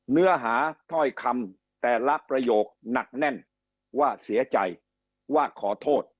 เนื้อหาถ้อยคำแต่ละประโยคหนักแน่นว่าเสียใจว่าขอโทษ